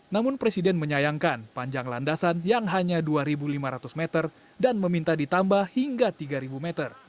namun presiden menyayangkan panjang landasan yang hanya dua lima ratus meter dan meminta ditambah hingga tiga meter